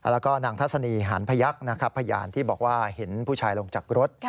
แล้วก็นางทัศนีหันพยักษ์นะครับพยานที่บอกว่าเห็นผู้ชายลงจากรถ